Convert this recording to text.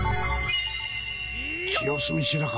清澄白河